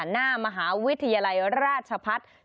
หน้ามหาวิทยาลัยราชพัฒน์